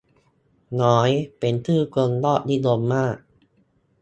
น้อยเป็นชื่อคนยอดนิยมมาก